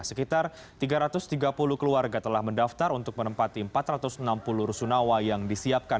sekitar tiga ratus tiga puluh keluarga telah mendaftar untuk menempati empat ratus enam puluh rusunawa yang disiapkan